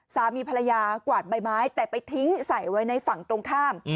สามีภรรยากวาดใบไม้แต่ไปทิ้งใส่ไว้ในฝั่งตรงข้าม